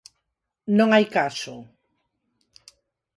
Non hai caso.